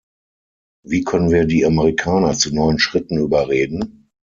Wie können wir die Amerikaner zu neuen Schritten überreden?